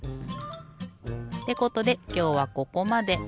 ってことできょうはここまで。